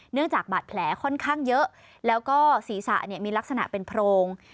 จากบาดแผลค่อนข้างเยอะแล้วก็ศีรษะมีลักษณะเป็นโพรง